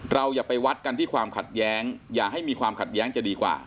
อย่าไปวัดกันที่ความขัดแย้งอย่าให้มีความขัดแย้งจะดีกว่า